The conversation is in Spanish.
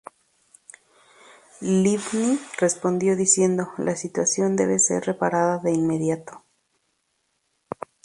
Livni respondió diciendo: "La situación debe ser reparada de inmediato".